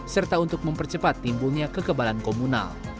serta untuk mempercepat timbulnya kekebalan komunal